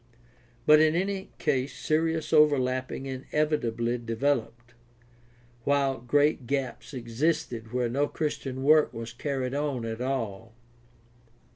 But in any case serious overlapping inevitably developed, while great gaps existed where no Christian work was carried on at all.